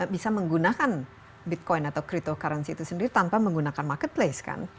bisa menggunakan bitcoin atau cryptocurrency itu sendiri tanpa menggunakan marketplace kan